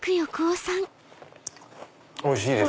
おいしいです。